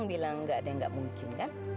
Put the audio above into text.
tidak ada yang gak mungkin